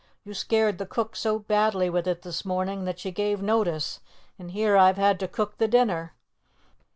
"You scared the cook so badly with it this morning that she gave notice, and here I've had to cook the dinner.